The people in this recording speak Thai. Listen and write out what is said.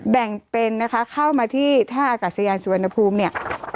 แบ่งเป็นนะคะเข้ามาที่ท่าอากาศยานสุวรรณภูมิเนี่ย